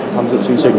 tham dự chương trình